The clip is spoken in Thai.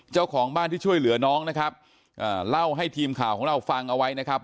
เจ้าของบ้านที่ช่วยเหลือน้องนะครับอ่าเล่าให้ทีมข่าวของเราฟังเอาไว้นะครับ